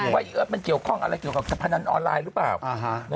ว่าอีเอิร์ทมันเกี่ยวข้องอะไรเกี่ยวกับการพนันออนไลน์หรือเปล่า